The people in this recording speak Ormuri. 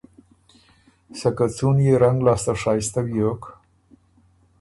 سکه څُون يې رنګ لاسته شائستۀ بیوک